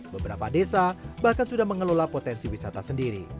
beberapa desa bahkan sudah mengelola potensi wisata sendiri